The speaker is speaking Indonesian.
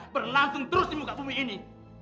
berlangsung terus di muka bumi ini